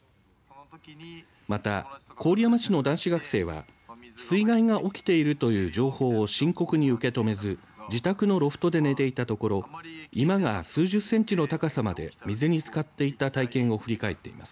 また、郡山市の男子学生は水害が起きているという情報を深刻に受け止めず自宅のロフトで寝ていたところ居間が数十センチの高さまで水につかっていた体験を振り返っています。